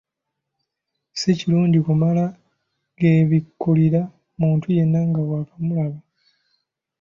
Si kirungi kumala “geebikkulira” muntu yenna nga waakamulaba!